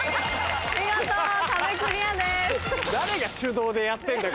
見事壁クリアです。